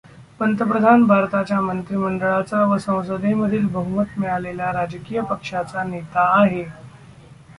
पंतप्रधान भारताच्या मंत्रीमंडळाचा व संसदेमधील बहुमत मिळालेल्या राजकीय पक्षाचा नेता आहे.